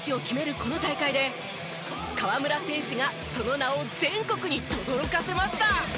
この大会で河村選手がその名を全国にとどろかせました。